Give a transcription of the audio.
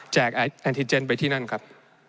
แอนติเจนไปที่นั่นครับ